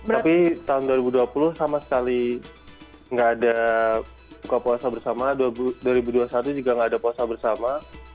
tapi tahun dua ribu dua puluh sama sekali nggak ada buka puasa bersama dua ribu dua puluh satu juga nggak ada puasa bersama